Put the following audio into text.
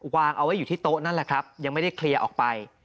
วางเอาไว้อยู่ที่โต๊ะนั่นแหละครับยังไม่ได้เคลียร์ออกไป